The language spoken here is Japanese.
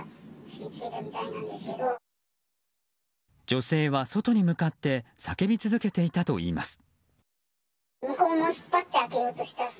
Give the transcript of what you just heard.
女性は外に向かって叫び続けていたといいます。